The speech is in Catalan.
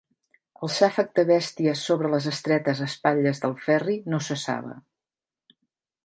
El xàfec de bèsties sobre les estretes espatlles del Ferri no cessava.